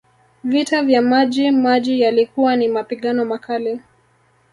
Vita vya Maji Maji yalikuwa ni mapigano makali